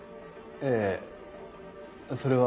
ええそれは。